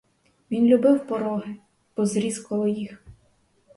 Він любив пороги, бо зріс коло їх.